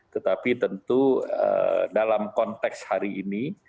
tetapi tentu dalam konteks hari ini